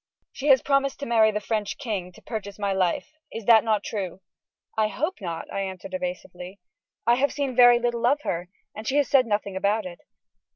"She has promised to marry the French king to purchase my life. Is that not true?" "I hope not," I answered, evasively; "I have seen very little of her, and she has said nothing about it."